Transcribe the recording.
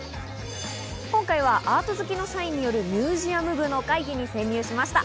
今回はアート好きの社員によるミュージアム部の会議に潜入しました。